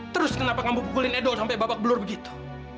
terus kenapa kamu pukulin edo sampai babak belur begitu